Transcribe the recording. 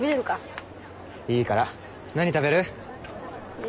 いいから。何食べる？え